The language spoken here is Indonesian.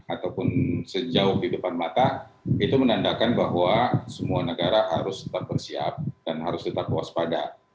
ataupun sejauh di depan mata itu menandakan bahwa semua negara harus tetap bersiap dan harus tetap waspada